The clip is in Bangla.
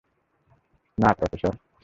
না, প্রফেসর!